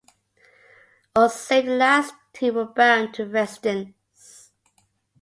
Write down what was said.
All save the last two were bound to residence.